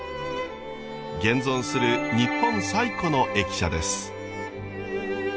現存する日本最古の駅舎です。